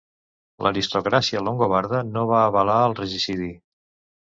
L'aristocràcia longobarda no va avalar el regicidi.